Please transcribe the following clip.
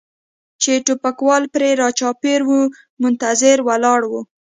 چې ټوپکوال پرې را چاپېر و منتظر ولاړ و.